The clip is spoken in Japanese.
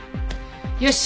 よし！